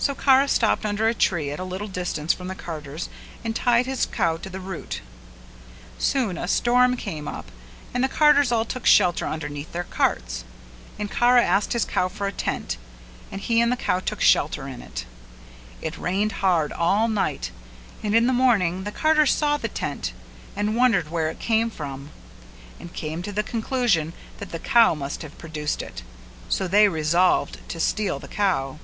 So Kara stopped under a tree at a little distance from the carters and tied his cow to the root. Soon a storm came up and the carters all took shelter underneath their carts and Kara asked his cow for a tent and he and the cow took shelter in it. It rained hard all night and in the morning the carters saw the tent and wondered where it came from, and came to the conclusion that the cow must have produced it; so they resolved to steal the cow.